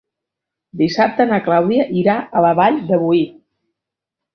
Dissabte na Clàudia irà a la Vall de Boí.